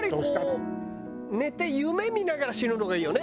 寝て夢見ながら死ぬのがいいよね。